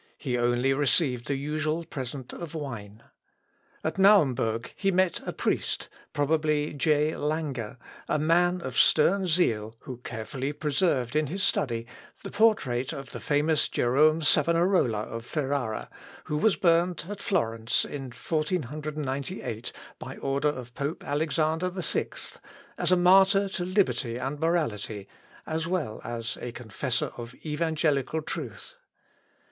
He only received the usual present of wine. At Naumburg he met a priest, probably J. Langer, a man of stern zeal, who carefully preserved in his study the portrait of the famous Jerome Savonarola of Ferrara, who was burnt at Florence in 1498, by order of pope Alexander VI, as a martyr to liberty and morality, as well as a confessor of evangelical truth.